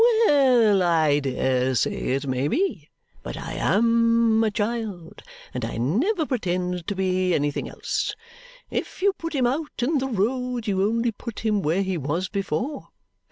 "Well, I dare say it may be; but I AM a child, and I never pretend to be anything else. If you put him out in the road, you only put him where he was before.